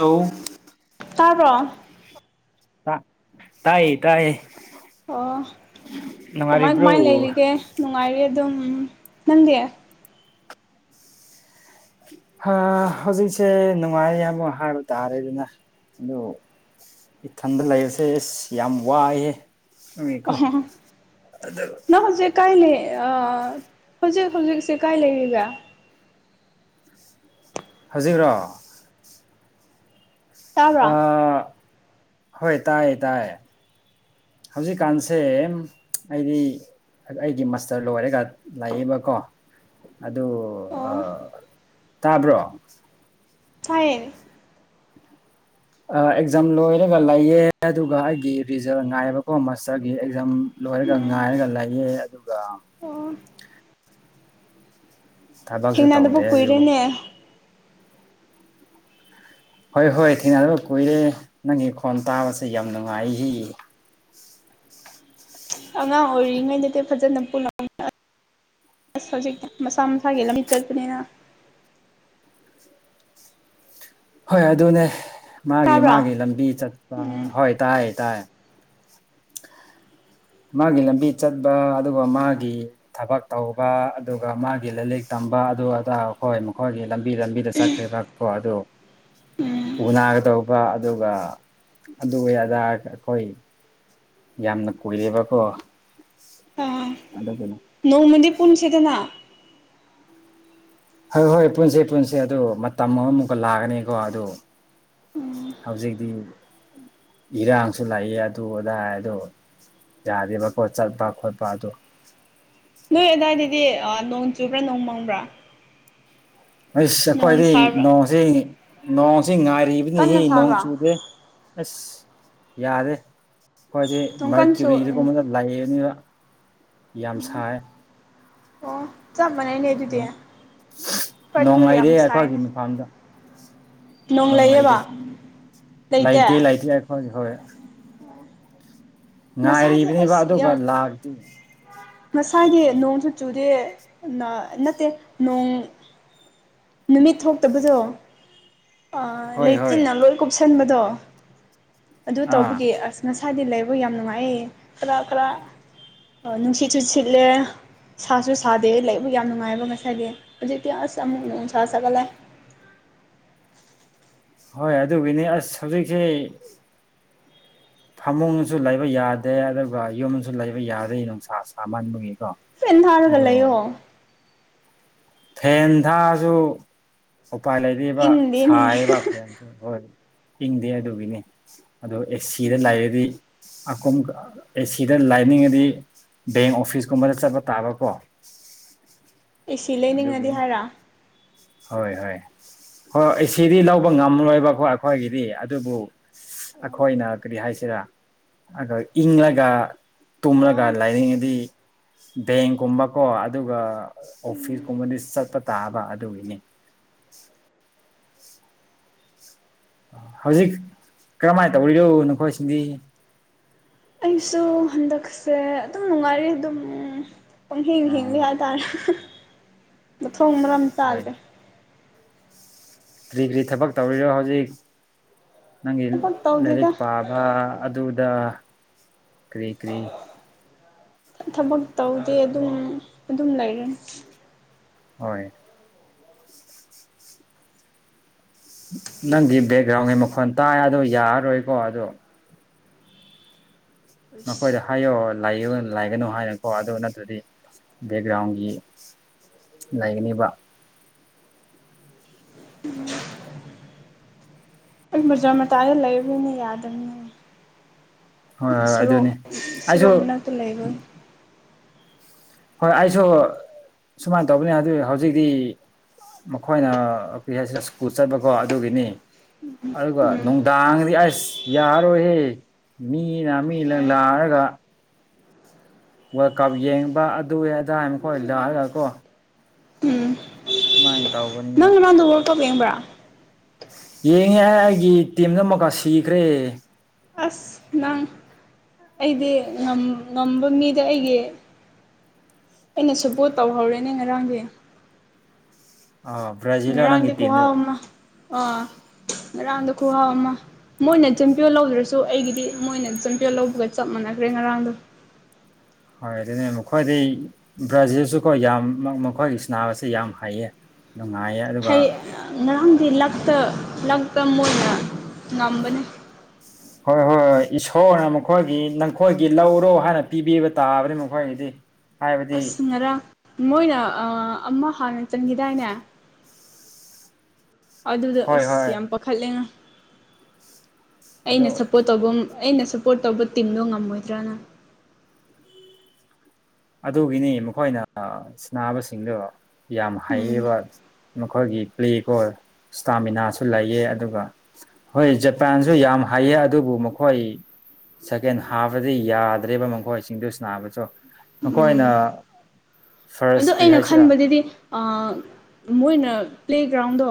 hello ꯇꯥꯕ꯭ꯔꯣ ꯇꯥꯌꯦ ꯇꯥꯌꯦ ꯑꯣ ꯀꯃꯥꯏ ꯅꯨꯡꯉꯥꯏꯔꯤꯕ꯭ꯔꯣ ꯀꯃꯥꯏ ꯂꯩꯔꯤꯒꯦ ꯅꯨꯡꯉꯥꯏꯔꯤ ꯑꯗꯨꯝ ꯅꯪꯗꯤ ꯍꯧꯖꯤꯛꯁꯦ ꯅꯨꯡꯉꯥꯏꯔꯤ ꯌꯥꯝꯕꯨ ꯍꯥꯏꯕ ꯇꯥꯔꯦꯗꯅ ꯑꯗꯨ ꯏꯊꯟꯗ ꯂꯩꯕꯁꯦ ꯏꯁ ꯌꯥꯝ ꯋꯥꯏꯑꯦ ꯅꯪ ꯍꯧꯖꯤꯛ ꯀꯥꯏ ꯂꯩ ꯍꯧꯖꯤꯛ ꯍꯧꯖꯤꯛꯁꯦ ꯀꯥꯏ ꯂꯩꯔꯤꯒꯦ ꯍꯧꯖꯤꯛꯂꯣ ꯇꯥꯕ꯭ꯔꯥ ꯑ ꯥ ꯍꯣꯏ ꯇꯥꯌꯦ ꯇꯥꯌꯦ ꯍꯧꯖꯤꯛ ꯀꯥꯟꯁꯦ ꯑꯩꯗꯤ ꯑꯩꯒꯤ ꯃꯁꯇꯔ ꯂꯣꯏꯔꯒ ꯂꯩꯑꯦꯕꯀꯣ ꯑꯗꯨ ꯑꯣ ꯇꯥꯕ꯭ꯔꯣ ꯇꯥꯌꯦ ꯑꯦꯛꯖꯥꯝ ꯂꯣꯏꯔꯒ ꯂꯩꯌꯦ ꯑꯗꯨꯒ ꯑꯩꯒꯤ ꯔꯤꯖꯜ ꯉꯥꯏꯕꯀꯣ ꯃꯥꯁꯇꯔꯒꯤ ꯑꯦꯛꯖꯥꯝ ꯂꯣꯏꯔꯒ ꯎꯝ ꯉꯥꯏꯔꯒ ꯂꯩꯌꯦ ꯑꯗꯨꯒ ꯑꯣ ꯊꯕꯛꯁꯨ ꯊꯦꯡꯅꯗꯕ ꯇꯧꯗꯦ ꯑꯗꯨꯕꯨ ꯀꯨꯏꯔꯦꯅꯦ ꯍꯣꯏ ꯍꯣꯏ ꯊꯦꯡꯅꯗꯕ ꯀꯨꯏꯔꯦ ꯅꯪꯒꯤ ꯈꯣꯟ ꯇꯥꯕꯁꯦ ꯌꯥꯝ ꯅꯨꯡꯉꯥꯏꯑꯦ [unintelligible] ꯑꯉꯥꯡ ꯑꯣꯏꯔꯤꯉꯩꯗꯗꯤ ꯐꯖꯅ ꯄꯨꯜꯂꯦ ꯍꯧꯖꯤꯛꯇꯤ ꯃꯁꯥ ꯃꯁꯥꯒꯤ ꯂꯝꯕꯤ ꯆꯠꯄꯅꯤꯅꯥ ꯍꯣꯏ ꯑꯗꯨꯅꯦ ꯃꯥꯒꯤ ꯇꯥꯕ꯭ꯔꯥ ꯃꯥꯒꯤ ꯂꯝꯕꯤ ꯆꯠꯄ ꯎꯝ ꯍꯣꯏ ꯇꯥꯌꯦ ꯇꯥꯌꯦ ꯃꯥꯒꯤ ꯂꯝꯕꯤ ꯆꯠꯄ ꯑꯗꯨꯒ ꯃꯥꯒꯤ ꯊꯕꯛ ꯇꯧꯕ ꯑꯗꯨꯒ ꯃꯥꯒꯤ ꯂꯥꯏꯔꯤꯛ ꯇꯝꯕ ꯑꯗꯨ ꯑꯗꯥ ꯑꯩꯈꯣꯏ ꯃꯈꯣꯏꯒꯤ ꯂꯝꯕꯤ ꯂꯝꯕꯤꯗ ꯆꯠꯈ꯭ꯔꯦꯕ ꯀꯣ ꯑꯗꯨ ꯎꯅꯥꯒꯦ ꯇꯧꯕ ꯑꯗꯨꯒ ꯑꯗꯨ ꯑꯗꯥ ꯑꯈꯣꯏ ꯌꯥꯝꯅ ꯀꯨꯏꯔꯦꯕꯀꯣ ꯑꯥ ꯑꯗꯨꯒꯤꯅꯤ ꯅꯣꯡꯃꯗꯤ ꯄꯨꯟꯁꯦꯗꯅ ꯍꯣꯏ ꯍꯣꯏ ꯄꯨꯟꯁꯦ ꯄꯨꯟꯁꯦ ꯑꯗꯨ ꯃꯇꯝ ꯑꯃꯃꯨꯛꯀ ꯂꯥꯛꯒꯅꯤꯀꯣ ꯑꯗꯨ ꯍꯧꯖꯤꯛꯇꯤ ꯏꯔꯥꯡꯁꯨ ꯂꯥꯛꯏ ꯑꯗꯨ ꯑꯗꯥ ꯑꯗꯣ ꯌꯥꯗꯦꯕꯀꯣ ꯆꯠꯄ ꯈꯣꯠꯄ ꯑꯗꯨ ꯅꯣꯏ ꯑꯗꯨꯗꯥꯋꯥꯏꯗꯗꯤ ꯅꯣꯡ ꯆꯨꯕ꯭ꯔꯥ ꯅꯣꯡ ꯃꯪꯕ꯭ꯔꯥ ꯑꯩꯁ ꯅꯣꯡ ꯑꯩꯈꯣꯏꯗꯩ ꯁꯥꯕ꯭ꯔꯥ ꯅꯣꯡꯁꯤ ꯅꯣꯡꯁꯤ ꯉꯥꯏꯔꯤꯕꯅꯤꯍꯦ ꯀꯟꯅ ꯅꯣꯡ ꯁꯥꯕ꯭ꯔꯥ ꯆꯨꯗꯦ ꯑꯁ ꯌꯥꯔꯦ ꯑꯈꯣꯏꯁꯦ ꯅꯨꯡꯀꯟꯁꯨ ꯃꯔꯀꯌꯨꯔꯤꯗꯒꯨꯝꯕꯗ ꯂꯥꯛꯌꯦꯕꯅꯤꯕ ꯌꯥꯝ ꯁꯥꯏ ꯑꯣ ꯆꯞ ꯃꯥꯟꯅꯩꯅꯦ ꯑꯗꯨꯗꯤ ꯅꯣꯡ ꯍꯣꯏ ꯑꯗꯨꯁꯨ ꯌꯥꯝ ꯅꯣꯡꯉꯥꯏꯔꯦ ꯑꯈꯣꯏꯒꯤ ꯁꯥꯏꯅꯦ ꯃꯐꯝꯗ ꯅꯣꯡ ꯂꯩꯌꯦꯕ ꯅꯨꯡꯃꯩꯗꯤ ꯂꯩꯥꯏꯇꯦ ꯂꯩꯇꯦ ꯂꯩꯇꯦ ꯑꯩꯈꯣꯏ ꯍꯣꯏ ꯉꯁꯥꯏꯗꯤ ꯉꯥꯏꯔꯤꯕꯅꯤꯕ ꯑꯁ ꯑꯗꯨꯒ ꯂꯥꯛꯇꯤ ꯉꯁꯥꯏꯗꯤ ꯅꯣꯡꯁꯨ ꯆꯨꯗꯦ ꯅꯠꯇꯦ ꯅꯣꯡ ꯅꯨꯃꯤꯠ ꯊꯣꯛꯇꯕꯗꯣ ꯍꯣꯏ ꯍꯣꯏ ꯂꯩꯆꯤꯟꯅ ꯂꯣꯏ ꯀꯨꯞꯁꯟꯕꯗꯣ ꯑꯗꯨ ꯑꯥ ꯇꯧꯕꯒꯤ ꯑꯁ ꯉꯁꯥꯗꯤ ꯂꯩ ꯑꯩꯕ ꯌꯥꯝ ꯅꯨꯡꯉꯥꯏ ꯈꯔ ꯈꯔ ꯅꯨꯡꯁꯤꯠꯁꯨ ꯆꯨꯁꯤꯠꯂꯦ ꯁꯥꯁꯨ ꯁꯥꯗꯦ ꯂꯩꯕꯨ ꯌꯥꯝ ꯅꯨꯡꯉꯥꯏꯕ ꯉꯁꯥꯏꯒꯤ ꯍꯧꯖꯤꯛꯇꯤ ꯑꯁ ꯑꯃꯨꯛ ꯅꯨꯡꯁꯥ ꯁꯒꯠꯂꯦ ꯍꯣꯏ ꯑꯗꯨꯒꯤꯅꯤ ꯑꯁ ꯍꯧꯖꯤꯛꯁꯦ ꯊꯃꯨꯡꯅꯁꯨ ꯂꯩꯕ ꯌꯥꯗꯦ ꯑꯗꯨꯒ ꯌꯨꯝꯁꯨ ꯂꯩꯕ ꯌꯥꯗꯦ ꯅꯨꯡꯁꯥ ꯁꯥꯥ ꯃꯟꯕꯒꯤ ꯐꯦꯟ ꯊꯥꯔꯒ ꯂꯩꯌꯣ ꯐꯦꯟ ꯊꯥꯁꯨ ꯎꯄꯥꯏ ꯂꯩꯕꯤꯕ ꯏꯪꯗꯦꯅꯦ ꯁꯥꯏꯌꯦꯕ ꯐꯦꯟꯁꯦ ꯍꯣꯏ ꯏꯪꯗꯦ ꯑꯗꯨꯒꯤꯅꯦ ꯑꯗꯣ ꯑꯦꯁ ꯁꯤꯗ ꯂꯥꯏꯔꯗꯤ ꯑꯀꯨꯝ ꯑꯦꯁꯤꯗ ꯂꯥꯏꯅꯤꯡꯉꯗꯤ ꯕꯦꯡ ꯑꯣꯐꯤꯁꯀꯨꯝꯕꯗ ꯆꯠꯄ ꯇꯥꯕꯀꯣ ꯑꯦ ꯁꯤ ꯂꯩꯅꯤꯡꯉꯗꯤ ꯑꯗꯨꯒꯤꯅꯤ ꯍꯥꯏꯔꯣ ꯍꯣꯏ ꯍꯣꯏ ꯍꯣꯏ ꯑꯦꯁꯤꯗꯤ ꯂꯧꯕ ꯉꯝꯂꯣꯏꯕꯀꯣ ꯑꯩꯈꯣꯏꯒꯤꯗꯤ ꯑꯗꯨꯕꯨ ꯑꯈꯣꯏꯅ ꯀꯔꯤ ꯍꯥꯏꯁꯤꯔ ꯏꯪꯂꯒ ꯇꯨꯝꯂꯒ ꯑꯣ ꯂꯥꯏꯅꯤꯡꯗꯤ ꯕꯦꯡꯀꯨꯝꯕ ꯀꯣ ꯑꯗꯨꯒ ꯑꯣꯐꯤꯁꯀꯨꯝꯕꯗꯤ ꯆꯠꯄ ꯇꯥꯕ ꯑꯗꯨꯒꯤꯅꯤ ꯍꯧꯖꯤꯛ ꯀꯔꯝꯍꯥꯏꯅ ꯇꯧꯔꯤꯅꯣ ꯅꯈꯣꯏꯁꯤꯡꯗꯤ ꯑꯩꯁꯨ ꯍꯟꯗꯛꯁꯦ ꯑꯗꯨꯝ ꯅꯨꯡꯉꯥꯏꯔꯤ ꯑꯗꯨꯝ ꯄꯡ ꯍꯤꯡ ꯑꯥ ꯍꯤꯡꯉꯤ ꯍꯥꯏꯇꯥꯔꯦ ꯊꯣꯡ ꯃꯔꯝ ꯍꯣꯏ ꯆꯥꯗꯔ꯭ꯦ ꯀꯔꯤ ꯀꯔꯤ ꯊꯕꯛ ꯇꯧꯔꯤꯔꯣ ꯍꯧꯖꯤꯛ ꯅꯪꯒꯤ ꯊꯕꯛ ꯂꯥꯏꯔꯤꯛ ꯇꯧꯗꯦꯗ ꯄꯥꯕ ꯑꯗꯨꯗ ꯀ꯭ꯔꯤ ꯀ꯭ꯔꯤ ꯊꯕꯛ ꯇꯧꯗꯦ ꯑꯗꯨꯝ ꯑꯗꯨꯝ ꯂꯩꯔꯦ ꯍꯣꯏ ꯅꯪꯒꯤ ꯕꯦꯛꯒ꯭ꯔꯥꯎꯟꯒꯤ ꯃꯈꯣꯟ ꯇꯥꯏ ꯑꯗꯣ ꯌꯥꯔꯔꯣꯏꯀꯣ ꯑꯗꯣ ꯅꯣꯈꯣꯏꯗ ꯍꯥꯏꯌꯣ ꯂꯥꯏꯒꯅꯨ ꯍꯥꯏꯅꯀꯣ ꯑꯗꯨ ꯅꯠꯇ꯭ꯔꯗꯤ ꯕꯦꯛꯒ꯭ꯔꯥꯎꯟꯒꯤ ꯂꯩꯒꯅꯤꯕ ꯑꯩ ꯕꯖꯥ ꯃꯇꯥꯏꯗ ꯂꯩꯕꯅꯤꯅꯦ ꯌꯥꯗꯕꯅꯤꯅꯦ ꯍꯣꯏ ꯍꯣꯏ ꯁꯣꯔꯣꯛ ꯑꯗꯨꯅꯤ ꯑꯩꯁꯨ ꯁꯣꯔꯣꯛ ꯃꯅꯥꯛꯇ ꯂꯩꯕ ꯍꯣꯏ ꯑꯩꯁꯨ ꯁꯨꯃꯥꯏꯅ ꯇꯧꯕꯅꯦ ꯑꯗꯨ ꯍꯧꯖꯤꯛꯇꯤ ꯃꯈꯣꯏꯅ ꯀꯣꯏ ꯍꯥꯏꯁꯤ ꯁ꯭ꯀꯨꯜ ꯆꯠꯄꯀꯣ ꯑꯗꯨꯒꯤꯅꯤ ꯑꯗꯨꯒ ꯎꯝ ꯅꯨꯡꯗꯥꯡꯗꯤ ꯑꯁ ꯌꯥꯔꯣꯏꯍꯦ ꯃꯤꯅꯃꯤꯂꯂ ꯂꯥꯑꯒ ꯋꯥꯔꯜ ꯀꯞ ꯌꯦꯡꯕ ꯑꯗꯨꯌꯦ ꯑꯗꯥꯏ ꯃꯈꯣꯏ ꯂꯥꯛꯑꯒꯀꯣ ꯎꯝ ꯁꯃꯥꯏꯅ ꯇꯧꯒꯅꯤꯕ ꯇꯣ ꯌꯦꯡꯕ꯭ꯔꯥ ꯌꯦꯡꯉꯦ ꯑꯩꯒꯤ ꯇꯤꯝ ꯑꯃꯒꯥ ꯁꯤꯈ꯭ꯔꯦ ꯑꯁ ꯅꯪ ꯑꯩꯗꯤ ꯉꯝꯕ ꯃꯤꯗ ꯑꯩꯒꯤ ꯑꯩꯅ ꯁꯨꯄꯣꯠ ꯇꯧꯍꯧꯔꯦꯅꯦ ꯉꯔꯥꯡꯗꯤ ꯑ ꯕ꯭ꯔꯥꯖꯤꯜꯂꯣ ꯉꯔꯪꯔꯥ [unintelligible] ꯅꯪꯒꯤ ꯡꯗ ꯀꯍ ꯇꯤꯝꯗꯣ ꯎꯃ ꯑꯣ ꯑꯗꯨꯔꯗ ꯈꯨꯨꯍꯕꯃ [unintelligible] ꯃꯣꯏꯅ ꯆꯨꯝꯄꯤꯌꯣ ꯂꯧꯗ꯭ꯔꯁꯨ ꯑꯩꯒꯤꯗꯤ ꯃꯣꯏꯅ ꯆꯝꯄꯤꯌꯣ ꯂꯧꯕꯒ ꯆꯞ ꯃꯥꯟꯅꯈ꯭ꯔꯦ ꯉꯔꯥꯡꯗꯣ ꯍꯣꯏ ꯑꯗꯨꯅꯦ ꯃꯈꯣꯏꯗꯤꯩ ꯕ꯭ꯔꯖꯁꯤꯁꯨꯀꯣ ꯌꯥꯝ ꯃꯈꯣꯏꯒꯤ ꯁꯅꯥꯕꯁꯤ ꯌꯥꯝ ꯍꯩꯌꯦ ꯅꯨꯡꯉꯥꯏꯌꯦ ꯑꯗꯨꯒ ꯍꯩ ꯉꯔꯥꯡꯗꯤ ꯂꯛꯇ ꯂꯥꯛ ꯃꯑꯣꯢꯅ ꯉꯥꯝꯕꯅꯦ ꯍꯣꯏ ꯍꯣꯏ ꯍꯣꯏ ꯏꯁꯣꯔꯅ ꯃꯈꯣꯏꯒꯤ ꯅꯈꯣꯏꯒꯤ ꯂꯧꯔꯣ ꯍꯥꯏꯅ ꯄꯤꯕꯤꯕ ꯇꯥꯕꯅꯤ ꯃꯈꯣꯏꯒꯤꯗꯤ ꯍꯥꯏꯕꯗꯤ ꯑꯁ ꯉꯔꯥꯡ ꯃꯣꯏꯅ ꯑꯃ ꯍꯥꯟꯅ ꯆꯟꯈꯤꯗꯥꯏꯅꯦ ꯑꯗꯨꯗꯣ ꯍꯣꯏ ꯑꯁ ꯍꯣꯏ ꯌꯥꯝ ꯄꯥꯈꯠꯂꯦ ꯉꯥ ꯑꯗꯨ ꯑꯩꯅ ꯁꯞꯄꯣꯔꯠ ꯇꯧꯕ ꯑꯩꯅ ꯁꯞꯄꯣꯔꯠ ꯇꯧꯕ ꯇꯤꯝꯗꯣ ꯉꯝꯃꯣꯏꯗ꯭ꯔꯥꯅ ꯑꯗꯨꯒꯤꯅꯤ ꯃꯈꯣꯏꯅ ꯁꯤꯕꯁꯤꯡꯗꯣ ꯌꯥꯝ ꯍꯩꯌꯦꯕ ꯃꯈꯣꯏꯒꯤ ꯄ꯭ꯂꯦꯒꯣ ꯏꯁꯇꯥꯃꯤꯅꯥꯁꯨ ꯂꯩꯌꯦ ꯑꯗꯨꯒ ꯍꯣꯏ ꯖꯄꯥꯟꯁꯨ ꯌꯥꯝ ꯍꯩꯌꯦ ꯑꯗꯨꯕꯨ ꯃꯈꯣꯏ ꯁꯦꯀꯦꯟ ꯍꯥꯞꯄꯗꯤ ꯌꯥꯗ꯭ꯔꯦꯕ ꯃꯈꯣꯏꯁꯤꯡꯗꯨ ꯅꯥꯕꯁꯨ ꯎꯝ ꯃꯈꯣꯏꯅ ꯑꯗꯣ ꯐꯥꯔꯁ ꯀꯔꯤ ꯑꯩꯅ ꯍꯥꯏꯁꯤꯔꯥ ꯈꯟꯕꯗꯨꯗꯤ ꯃꯣꯏꯅ ꯄ꯭ꯂꯦꯒ꯭ꯔꯥꯎꯟꯗꯣ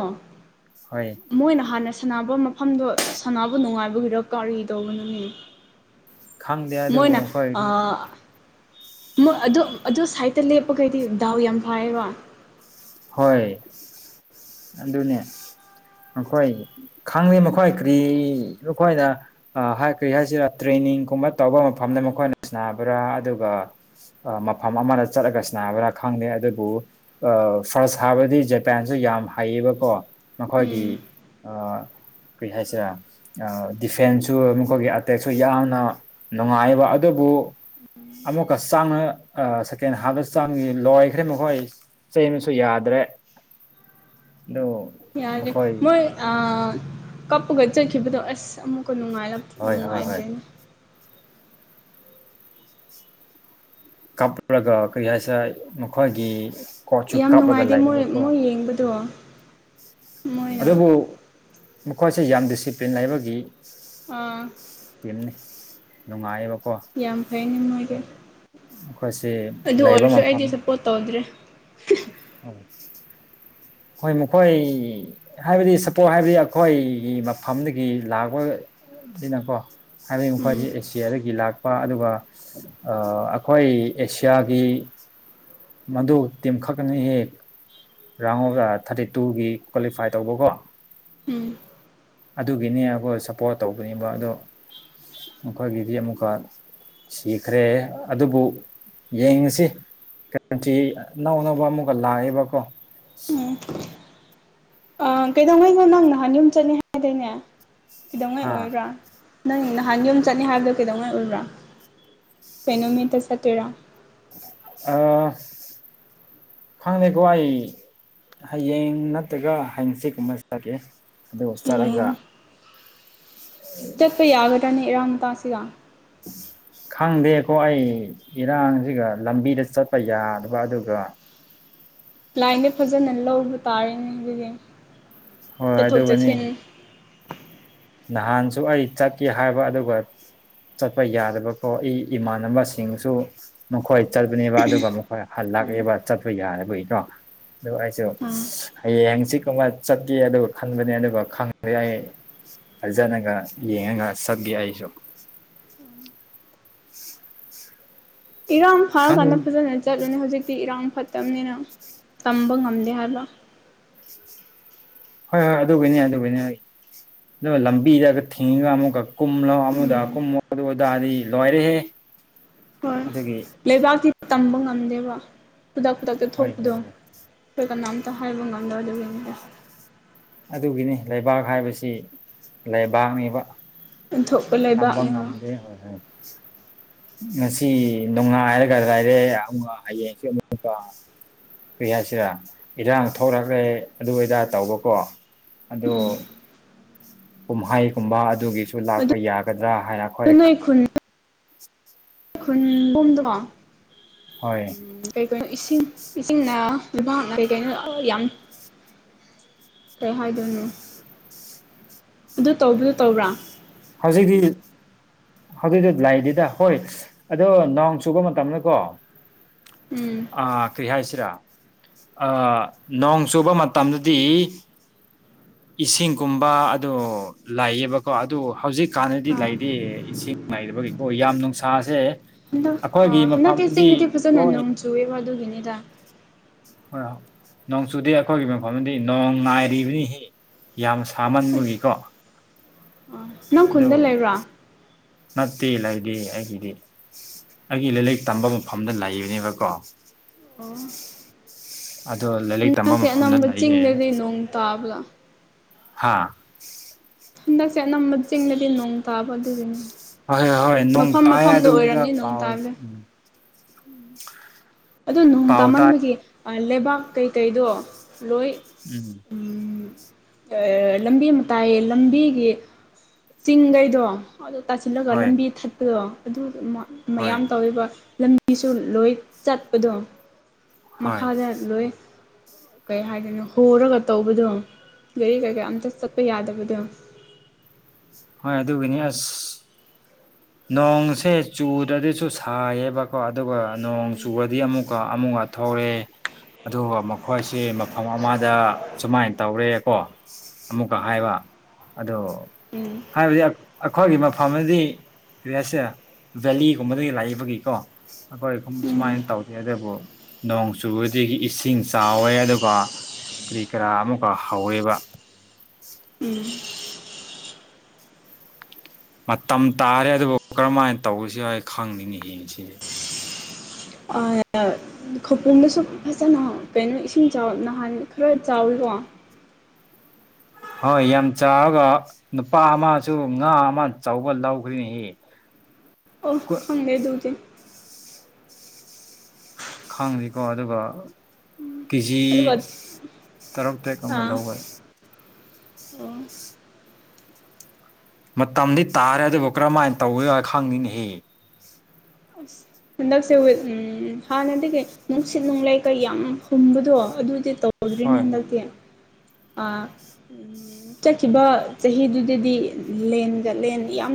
ꯍꯣꯏ ꯃꯣꯏꯅ ꯍꯥꯟꯅ ꯁꯥꯟꯅꯕ ꯃꯐꯝꯗꯣ ꯁꯅꯥꯕꯨ ꯅꯨꯡꯉꯥꯏꯕꯒꯤꯔ ꯀꯔꯤ ꯇꯧꯕꯅꯣꯃꯤꯅꯦ ꯈꯪꯗꯦ ꯑꯗꯨꯕꯨ ꯃꯣꯏꯅ ꯃꯈꯣꯏ ꯑꯥ ꯑꯗꯨ ꯑꯗꯨ ꯁꯥꯏꯗꯠꯇ ꯂꯦꯞꯄꯒꯩꯗꯤ ꯗꯥꯎ ꯌꯥꯝ ꯐꯌꯦꯕ ꯍꯣꯏ ꯑꯗꯨꯅꯦ ꯑꯩꯣꯏ ꯈꯪꯗꯦ ꯃꯈꯣꯏ ꯀꯔꯤ ꯃꯈꯣꯏꯅ ꯍꯥꯏ ꯀꯔꯤ ꯍꯥꯏꯁꯤꯔ ꯇ꯭ꯔꯦꯟ ꯅꯤꯡꯒꯨꯝꯕ ꯇꯧꯕ ꯃꯐꯝꯗ ꯃꯈꯣꯏꯅ ꯁꯕ꯭ꯔꯥ ꯑꯗꯨꯒ ꯃꯐꯝ ꯑꯃꯗ ꯆꯠꯂꯒ ꯁꯅꯥꯕ꯭ꯔꯥ ꯈꯪꯗꯦ ꯑꯗꯨꯕꯨ ꯑ ꯐꯥꯔꯁ ꯁꯥꯕꯗꯤ ꯖꯄꯥꯟꯁꯨ ꯌꯥꯝ ꯍꯩꯌꯦꯕꯀꯣ ꯃꯈꯣꯏꯒꯤ ꯎꯝ ꯑꯥ ꯀꯩ ꯍꯥꯏꯁꯔꯦ ꯗꯤꯐꯦꯟꯁꯁꯨ ꯃꯈꯣꯏꯒꯤ ꯑꯇꯦꯛꯁꯨ ꯌꯥꯝꯅ ꯅꯨꯡꯉꯥꯏꯕ ꯑꯗꯨꯕꯨ ꯑꯣ ꯑꯃꯨꯛꯀ ꯆꯥꯡꯅ ꯁꯦꯀꯦꯟ ꯍꯥꯞꯇ ꯆꯥꯡꯉ ꯂꯣꯏꯈ꯭ꯔꯦ ꯃꯈꯣꯏ ꯁꯨ ꯌꯥꯗ꯭ꯔꯦ ꯑꯗꯨ ꯌꯥꯗꯦ ꯃꯈꯣꯏ ꯃꯣꯏ ꯑꯥ ꯀꯞꯄꯒ ꯆꯠꯈꯤꯕꯗꯣ ꯑꯁ ꯑꯃꯨꯛꯀ ꯍꯣꯏ ꯍꯣꯏ ꯍꯣꯏ ꯅꯨꯡꯉꯥꯏꯗ꯭ꯔꯦꯅꯦ ꯀꯥꯞꯂꯒ ꯀꯔꯤ ꯍꯥꯏꯁꯦꯔꯥ ꯃꯈꯣꯏꯒꯤ ꯀꯣꯠꯁꯨ ꯌꯥꯝ ꯀꯥꯞꯂꯒ ꯅꯨꯡꯉꯥꯏꯇꯦ ꯃꯣꯏ ꯂꯩꯌꯦꯕꯀꯣ ꯎ ꯃꯣꯏ ꯌꯦꯡꯕꯗꯣ ꯃꯣꯏꯅ ꯑꯗꯨꯕꯨ ꯃꯈꯣꯏꯁꯦ ꯌꯥꯝ ꯗꯤꯁꯤꯄ꯭ꯂꯤꯟꯕꯒꯤ ꯑꯥ ꯅꯨꯡꯉꯥꯏꯌꯣ ꯌꯥꯝ ꯐꯩꯅꯦ ꯃꯣꯏꯗꯤ ꯃꯈꯣꯏꯁꯦ ꯑꯗꯨ ꯂꯩꯕ ꯑꯣꯏꯔꯁꯨ ꯑꯩꯗꯤ ꯁꯞꯄꯣꯔꯠ ꯇꯧꯗ꯭ꯔꯦ ꯑ [inaudible] ꯍꯣꯏ ꯃꯈꯣꯏ ꯍꯥꯏꯕꯗꯤ ꯁꯄꯣꯠ ꯍꯥꯏꯕꯗꯤ ꯑꯩꯈꯣꯏꯒꯤ ꯃꯐꯝꯗꯒꯤ ꯂꯥꯛꯄ ꯑꯁꯤꯀꯣ ꯍꯥꯏꯕꯗꯤ ꯎꯝ ꯃꯈꯣꯏꯁꯤ ꯑꯦ ꯁꯤꯗꯒꯤ ꯂꯥꯛꯄ ꯑꯗꯨꯒ ꯑꯩꯈꯣꯏ ꯑꯦꯁꯤꯌꯥꯒꯤ ꯃꯗꯨ ꯇꯤꯝꯈꯛꯅ ꯍꯑꯥ ꯔꯥꯎꯟ ꯑꯣꯐ ꯊꯥꯔꯇꯤ ꯇꯨꯒꯤ ꯀ꯭ꯋꯥꯂꯤꯐꯥꯏ ꯇꯧꯕꯀꯣ ꯑꯗꯨꯒꯤꯅꯦ ꯑꯩꯈꯣꯏ ꯁꯞꯄꯣꯔꯠ ꯇꯧꯕꯅꯦꯕ ꯑꯗꯣ ꯃꯈꯀꯣꯏꯒꯤꯗꯤ ꯑꯃꯨꯀ ꯁꯤꯈ꯭ꯔꯦ ꯑꯗꯨꯕꯨ ꯌꯦꯡꯉꯁꯤ ꯇꯤ ꯑꯅꯧ ꯑꯅꯧꯕ ꯑꯃꯨꯛꯀ ꯂꯥꯛꯑꯦꯕꯀꯣ ꯀꯩꯗꯧꯉꯩꯈꯣ ꯅꯪ ꯅꯍꯥꯟ ꯌꯨꯝ ꯆꯠꯅꯤ ꯍꯥꯏꯗꯣꯏꯅꯦ ꯀꯩꯗꯧꯉꯩ ꯍꯥ ꯑꯣꯏꯕ꯭ꯔꯥ ꯅꯪ ꯅꯍꯥꯟ ꯌꯣꯨꯝꯝ ꯆꯠꯅꯤ ꯍꯥꯏꯕꯗꯣ ꯀꯩꯗꯧꯉꯥꯏ ꯎꯕ꯭ꯔꯥ ꯀꯩꯅꯩꯅꯣꯃꯤꯠꯇ ꯆꯠꯇꯣꯏꯔꯥ ꯑꯥ ꯈꯪꯗꯦꯀꯣ ꯑꯩ ꯍꯌꯦꯡ ꯅꯠꯇ꯭ꯔꯒ ꯍꯌꯦꯡꯁꯦꯀꯨꯝꯕ ꯆꯠꯀꯦ ꯑꯗꯨꯗ ꯍꯁ ꯆꯂꯒ ꯍꯌꯦꯡ ꯆꯠꯄ ꯌꯥꯒꯗ꯭ꯔꯥꯅꯤ ꯏꯔꯥꯡ ꯇꯥꯁꯤꯒ ꯎꯝ ꯈꯪꯗꯦꯀꯣ ꯑꯩ ꯏꯔꯥꯡꯁꯤꯒ ꯂꯝꯕꯤꯗ ꯆꯠꯄ ꯌꯥꯗꯕ ꯑꯗꯨꯒ ꯂꯥꯏꯟꯗ ꯐꯖꯅ ꯂꯧꯕ ꯇꯥꯔꯦꯅꯦ ꯑꯗꯨꯗꯤ ꯍꯣꯏ ꯆꯠꯊꯣꯛ ꯑꯗꯨꯒꯅꯤ ꯆꯠꯊꯟ ꯅꯍꯥꯟꯁꯨ ꯑꯩ ꯆꯠꯀꯦ ꯍꯥꯏꯕ ꯑꯗꯨꯒ ꯆꯠꯄ ꯌꯥꯗꯕꯀꯣ ꯏ ꯏꯃꯥꯟꯅꯕꯁꯤꯡꯁꯨ ꯃꯈꯣꯏ ꯆꯠꯄꯅꯦꯕ ꯑꯗꯨꯒ ꯃꯈꯣꯏ ꯍꯜꯂ ꯎꯝ ꯂꯥꯛꯑꯦꯕ ꯆꯠꯄ ꯌꯥꯔꯕ ꯏꯗꯣ ꯑꯗꯨꯗ ꯑꯩꯁꯨ ꯑꯥ ꯍꯌꯦꯡꯁꯤ ꯀꯃꯥꯏ ꯆꯠꯀꯦ ꯑꯗꯨꯒ ꯈꯟꯕꯅꯦ ꯑꯗꯨꯒ ꯈꯪꯗꯦ ꯑꯩ ꯐꯖꯅꯒ ꯌꯦꯡꯉꯒ ꯁꯛꯕꯤ ꯑꯩꯁꯨ ꯏꯔꯥꯡ ꯈꯪ ꯐꯥꯔꯀꯥꯟꯗ ꯐꯖꯅ ꯆꯠꯂꯨꯅꯦ ꯍꯧꯖꯤꯛꯇꯤ ꯏꯔꯥꯡ ꯐꯠꯇꯕꯅꯤꯅ ꯇꯝꯕ ꯉꯝꯗꯦ ꯍꯥꯏꯕ ꯍꯣꯏ ꯍꯣꯏ ꯑꯗꯨꯕꯨꯅꯦ ꯑꯗꯨꯕꯨꯅꯤ ꯑꯩ ꯑꯗꯨꯒ ꯂꯝꯕꯤꯗꯒ ꯊꯤꯡꯉꯒ ꯑꯃꯨꯛꯀ ꯀꯨꯝꯂꯣ ꯑꯃꯨꯛꯗ ꯎꯝ ꯀꯨꯝꯃꯣ ꯑꯗꯨꯗꯥꯗꯤ ꯂꯣꯏꯔꯦꯍꯦ ꯎ ꯍꯣꯏ ꯂꯩꯕꯥꯛꯀꯤꯗꯤ ꯇꯝꯕ ꯉꯝꯗꯦꯕ ꯈꯨꯗꯛ ꯈꯨꯗꯛꯇ ꯍꯣꯏ ꯊꯣꯛꯄꯗꯣ ꯍꯣꯏ ꯍꯣꯏ ꯑꯩꯈꯣꯏ ꯀꯅꯥꯝꯇ ꯍꯥꯏꯕ ꯉꯝꯗꯣꯏ ꯑꯗꯨꯒꯤ ꯑꯗꯨꯒꯤꯅꯤ ꯂꯩꯕꯥꯛ ꯍꯥꯏꯕꯁꯤ ꯂꯩꯕꯥꯛꯅꯤꯕ ꯑꯣꯟꯊꯣꯛꯄ ꯇꯝꯝꯕ ꯂꯩꯕꯥꯛꯅꯤꯅ ꯉꯝꯗꯦ ꯍꯣꯏ ꯍꯣꯏ ꯉꯁꯤ ꯅꯨꯡꯉꯥꯏꯔꯒ ꯍꯥꯏꯔꯦ ꯌꯥꯝꯨ ꯍꯌꯦꯡꯀ ꯀꯩꯌꯥꯁꯤꯔ ꯏꯗ ꯊꯧꯔꯒ꯭ꯔꯦ ꯑꯗꯨ ꯑꯣꯏꯗꯥ ꯇꯧꯕꯀꯣ ꯑꯗꯣ ꯎꯝ ꯀꯨꯝꯍꯩꯒꯨꯝꯕ ꯑꯗꯨꯒꯤꯁꯨ ꯂꯥꯛꯄ ꯑꯗꯨ ꯌꯥꯒꯗ꯭ꯔꯥ ꯍꯥꯏꯅ ꯑꯩꯈꯣꯏ ꯅꯣꯏ ꯈꯨꯟ ꯑꯣꯨꯝꯗꯣ ꯍꯣꯏ ꯀꯔꯤ ꯀꯩꯅꯣ ꯏꯁꯤꯡ ꯏꯁꯤꯡꯅ ꯑꯗꯨ ꯀ ꯀ ꯌꯥꯝ ꯀꯩ ꯍꯥꯏꯗꯣꯏꯅꯦ ꯑꯗꯨ ꯇꯧꯕꯗꯨ ꯇꯧꯕ꯭ꯔꯥ ꯍꯧꯖꯤꯛꯀꯤ ꯑꯗꯨꯏꯗꯤ ꯂꯥꯛꯏꯗꯨꯗ ꯍꯣꯏ ꯑꯗꯣ ꯅꯎ ꯆꯨꯕ ꯃꯇꯝꯅꯀꯣ ꯎꯝ ꯑ ꯀꯔꯤ ꯍꯥꯏ ꯍꯥꯏꯁꯤꯔꯥ ꯑ ꯅꯣꯡ ꯆꯨꯕ ꯃꯇꯝꯗꯗꯤ ꯏꯁꯤꯡꯒꯨꯝꯕ ꯑ ꯂꯩꯥꯛꯌꯦꯕꯀꯣ ꯑꯗꯨ ꯍꯧꯖꯤꯛꯀꯥꯟꯗꯗꯤ ꯑꯥ ꯂꯩꯔꯤ ꯏꯁꯤꯡ ꯂꯩꯥꯏꯕꯒꯤꯀꯣ ꯌꯥꯝ ꯅꯨꯡꯁꯥꯁꯦ ꯍꯟꯗꯛ ꯑꯩꯈꯣꯏꯒꯤ ꯍꯟꯗꯛꯀꯤ ꯃꯐꯝꯗꯗꯤ ꯆꯤꯡꯅꯗꯤ ꯐꯖꯅ ꯍꯣꯏ ꯅꯣꯡ ꯆꯨꯑꯦꯕ ꯑꯗꯨꯒꯤꯅꯤꯗ ꯍꯣꯏ ꯅꯣꯡꯆꯨꯗꯤ ꯑꯩꯈꯣꯏꯒꯤ ꯃꯐꯝꯗꯤ ꯅꯣꯡ ꯅꯥꯏꯔꯤꯕꯅꯤ ꯁꯤ ꯌꯥꯝ ꯊꯥꯃꯟꯕꯒꯤꯀꯣ ꯑꯁ ꯑꯥ ꯅꯪ ꯈꯨꯟꯗ ꯂꯩꯕ꯭ꯔꯥ ꯅꯠꯇꯦ ꯏꯂ ꯏꯦ ꯑꯩꯗꯦ ꯑꯩꯒꯤ ꯂꯩꯂꯛ ꯇꯝꯕ ꯃꯐꯝꯗ ꯂꯩꯕꯅꯦꯕꯀꯣ ꯑꯗꯣ ꯂꯥꯏꯔꯤꯛ ꯇꯝꯕ ꯑꯁꯦ ꯃꯐꯝꯗ ꯑꯅꯝꯕ ꯆꯤꯡꯗꯗꯤ ꯅꯣꯡ ꯇꯥꯕ꯭ꯔꯥ ꯍꯥꯥ ꯍꯟꯗꯛꯁꯦ ꯑꯅꯝꯕ ꯆꯁꯤꯡꯗꯗꯤ ꯅꯣꯡ ꯇꯥꯕ ꯑꯗꯨꯗꯤꯅꯦ ꯍꯣꯏ ꯍꯣꯏ ꯍꯣꯏ ꯅꯣꯡ ꯄꯥꯏ ꯑꯗꯨꯗ ꯄ ꯎꯝ ꯑꯗ ꯅꯣꯡ ꯄꯥꯎ ꯇꯥꯏ ꯇꯥꯃꯟꯕꯒꯤ ꯂꯩꯕꯥꯛ ꯀꯩꯀꯩꯗꯣ ꯂꯣꯏ ꯎꯝ ꯂꯝꯕꯤ ꯑꯃ ꯇꯥꯏꯌꯦ ꯂꯝꯕꯤꯒꯤ ꯆꯤꯡꯈꯩꯗꯣ ꯑꯗ ꯇꯥꯁꯤꯜꯂꯒ ꯍꯣꯏ ꯂꯝꯕꯤ ꯊꯠꯄꯗꯣ ꯑꯗꯨ ꯍꯣꯏ ꯃꯌꯥꯝ ꯇꯧꯋꯦꯕ ꯑꯁꯨ ꯂꯣꯏ ꯆꯠꯄꯗꯣ ꯍꯣꯏ ꯃꯈꯥꯗ ꯂꯣꯏ ꯀꯩ ꯍꯥꯏꯗꯣꯏꯅꯣ ꯍꯣꯔꯒ ꯇꯧꯕꯗꯣ ꯒꯥꯔꯤ ꯀꯩꯀꯥ ꯑꯝꯇ ꯆꯠꯄ ꯌꯥꯗꯕꯗꯣ ꯍꯣꯏ ꯑꯗꯨꯒꯤꯅꯤ ꯑꯁ ꯅꯣꯡꯁꯦ ꯆꯨꯗ꯭ꯔꯗꯤꯁꯨ ꯁꯥꯏꯌꯦꯕꯀꯣ ꯑꯗꯨꯒ ꯅꯣꯡ ꯆꯨꯕꯗꯤ ꯑꯃꯨꯛ ꯀ ꯑꯃꯨ ꯑ ꯊꯧꯔꯦ ꯑꯗꯨꯒ ꯃꯈꯣꯏꯁꯦ ꯃꯐꯝ ꯑꯃꯗ ꯁꯨꯃꯥꯏꯅ ꯇꯧꯔꯦ ꯀꯣ ꯑꯃꯨꯛꯀ ꯍꯥꯏꯕ ꯑ ꯍꯥꯏꯕꯗꯤ ꯑꯩꯈꯣꯏꯒꯤ ꯃꯐꯝꯗꯗꯤ ꯔꯤꯌꯥꯁꯦ ꯚꯦꯂꯤꯒꯨꯝꯕꯗꯒꯤ ꯂꯥꯛꯏꯕꯒꯤꯀꯣ ꯑꯩꯈꯣꯏ ꯎꯝ ꯁꯨꯃꯥꯏꯅ ꯇꯧꯗꯦ ꯑꯗꯨꯕꯨ ꯅꯣꯡ ꯆꯨꯕꯗꯒꯤ ꯏꯁꯤꯡ ꯆꯥꯎꯋꯦ ꯑꯗꯨꯒ ꯀꯔꯤ ꯀꯔꯥ ꯑꯃꯒ ꯍꯧꯔꯦꯕ ꯎꯝ ꯃꯇꯝ ꯇꯥꯔꯦ ꯑꯗꯨꯕꯨ ꯀꯔꯝꯥꯏꯅ ꯇꯧꯁꯤ ꯍꯥꯏ ꯈꯪꯅꯤꯡꯅꯤ ꯌꯦ ꯁꯤꯁꯦ ꯑ ꯈꯄꯣꯡꯗꯁꯨ ꯐꯖꯅ ꯀꯩꯅꯣ ꯏꯁꯤꯡ ꯆꯥꯎ ꯅꯍꯥꯟ ꯈꯔ ꯆꯥꯎꯋꯤꯀꯣ [unintelligible] ꯍꯣꯏ ꯌꯥꯝ ꯆꯥꯔꯒ ꯅꯨꯄꯥ ꯑꯃꯁꯨ ꯉꯥ ꯑꯃ ꯑꯆꯧꯕ ꯂꯧꯈꯔꯤꯅꯦ ꯏ [unintelligible] ꯑꯣ ꯈꯪꯗꯦꯗꯧꯗꯦ ꯈꯪꯁꯤꯀꯣ ꯑꯗꯨꯒ ꯀꯦꯖꯤ ꯑꯗꯨꯒ ꯇꯔꯨ ꯇꯦꯛ ꯑꯃ ꯑꯥ ꯂꯧꯋꯦ ꯑꯣ ꯃꯇꯝꯗꯤ ꯇꯥꯔꯦ ꯑꯗꯨꯕꯨ ꯀꯔꯝꯥꯏꯅ ꯇꯧ ꯈꯪꯅꯤꯅꯤꯍꯦ ꯑꯁ ꯍꯟꯗꯛꯁꯦꯋ ꯍꯥꯟꯅꯗꯒꯤ ꯅꯨꯡꯁꯤꯠ ꯅꯨꯡꯂꯩ ꯀꯩ ꯌꯥꯝ ꯍꯨꯝꯕꯗꯣ ꯑꯗꯨꯗꯤ ꯇꯧꯗ꯭ꯔꯤꯅꯦ ꯍꯣꯏ ꯍꯣꯏ ꯍꯟꯗꯛꯇꯤ ꯆꯠꯈꯤꯕ ꯆꯍꯤꯗꯨꯗꯗꯤ ꯂꯦꯟꯒ ꯂꯦꯟ ꯌꯥꯝ